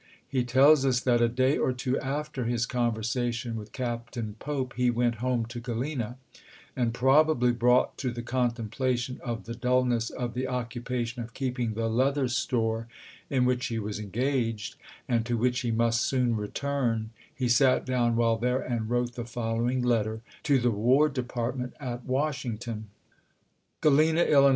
He tells us that a day or two after his conversation with Captain Pope he went home to Gralena ; and probably brought to the contemplation of the dull ness of the occupation of keeping the leather store in which he was engaged and to which he must soon return, he sat down while there and wrote the following letter to the War Department at Washington : Galena, III.